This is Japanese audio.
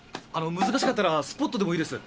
難しかったらスポットでもいいです。